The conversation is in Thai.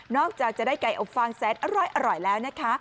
จากจะได้ไก่อบฟางแสนอร่อยแล้วนะคะ